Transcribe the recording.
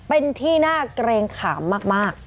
เป็นที่น่าเกรงขามมาก